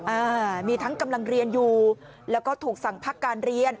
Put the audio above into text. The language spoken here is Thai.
อ่ามีทั้งกำลังเรียนอยู่แล้วก็ถูกสั่งพักการเรียน